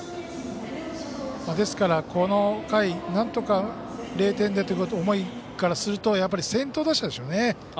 ですから、この回、なんとか０点でという思いからするとやっぱり先頭打者でしょうね。